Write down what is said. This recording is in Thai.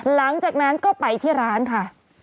หลังจากนั้นก็ไปที่ร้านค่ะ